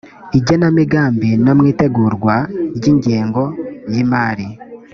igenamigambi no mu itegurwa ry ingengo y imari